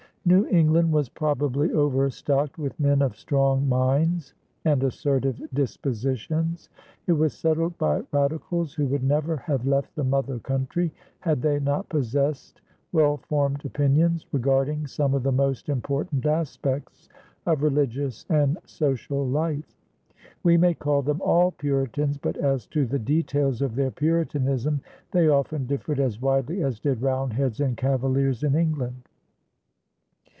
New England was probably overstocked with men of strong minds and assertive dispositions. It was settled by radicals who would never have left the mother country had they not possessed well formed opinions regarding some of the most important aspects of religious and social life. We may call them all Puritans, but as to the details of their Puritanism they often differed as widely as did Roundheads and Cavaliers in England.